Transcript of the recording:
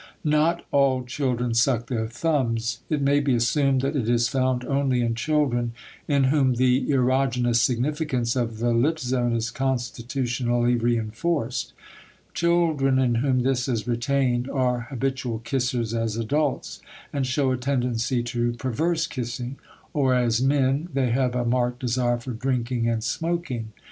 Not all children suck their thumbs. It may be assumed that it is found only in children in whom the erogenous significance of the lip zone is constitutionally reënforced. Children in whom this is retained are habitual kissers as adults and show a tendency to perverse kissing, or as men they have a marked desire for drinking and smoking.